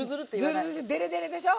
デレデレでしょ？